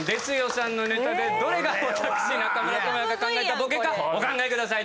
さんのネタでどれが私中村倫也が考えたボケかお考えください。